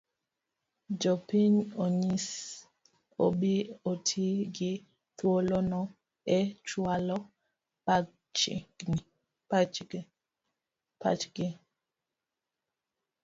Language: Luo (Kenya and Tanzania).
Jopiny onyis obi oti gi thuolono e chualo pachgi.